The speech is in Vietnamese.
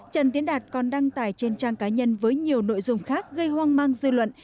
trần tiến đạt còn đăng tải trên trang cá nhân với nhiều nội dung khác gây hoang mang dư luận